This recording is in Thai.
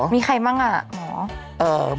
มีใครบ้างอ่ะหมอ